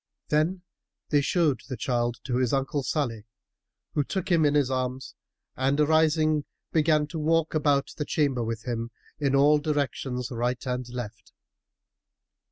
Then they showed the child to his uncle Salih, who took him in his arms and arising began to walk about the chamber with him in all directions right and left.